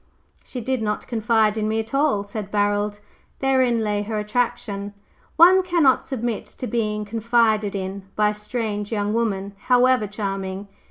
"She did not confide in me at all," said Barold. "Therein lay her attraction. One cannot submit to being 'confided in' by a strange young woman, however charming.